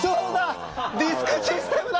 ディスクシステムだ！